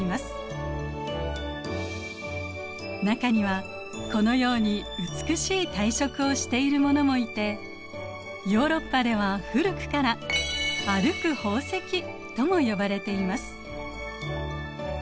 中にはこのように美しい体色をしているものもいてヨーロッパでは古くから歩く宝石とも呼ばれています。